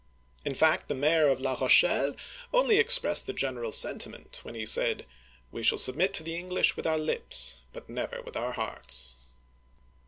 In fact, the mayor of La Rochelle (ro shgl') only expressed the general sentiment when he said, " We shall submit to the English with our lips, but never with our hearts